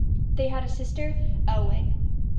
They had a sister Elwing.